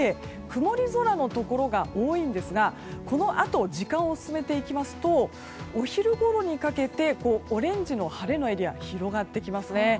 曇り空のところが多いんですがこのあと時間を進めていきますとお昼ごろにかけてオレンジの晴れのエリアが広がってきますね。